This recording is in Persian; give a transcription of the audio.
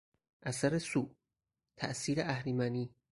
اثر سو، تاثیر اهریمنی